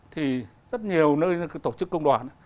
thì rất nhiều nơi tổ chức công đoàn